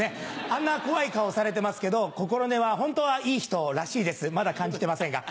あんな怖い顔されてますけど心根はホントはいい人らしいですまだ感じてませんが。